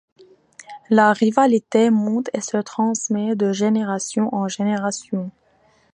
La rivalité monte et se transmet de génération en génération.